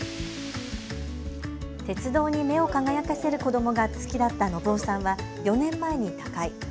鉄道に目を輝かせる子どもが好きだった信男さんは４年前に他界。